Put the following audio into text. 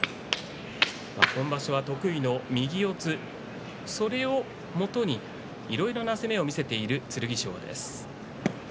今場所は得意の右四つそれをもとにいろいろな攻めを見せている剣翔です。